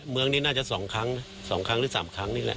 เมืองนี่น่าจะสองครั้งหรือสามครั้งนี่แหละ